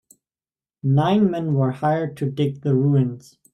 Nine men were hired to dig the ruins.